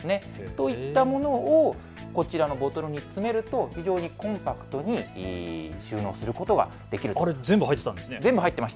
こういったものをこちらのボトルに詰めるとコンパクトに収納することができる。